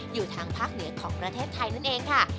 อยู่ทางภาคเหนือของประเทศไทยนั่นเองค่ะ